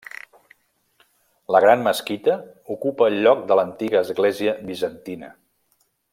La gran mesquita ocupa el lloc de l'antiga església bizantina.